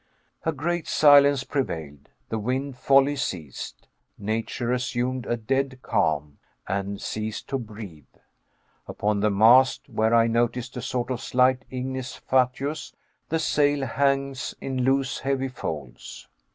A great silence prevailed. The wind wholly ceased. Nature assumed a dead calm, and ceased to breathe. Upon the mast, where I noticed a sort of slight ignis fatuus, the sail hangs in loose heavy folds.